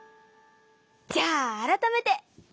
じゃあ改めて！